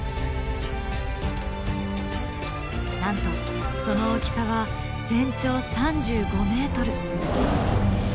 なんとその大きさは全長３５ｍ。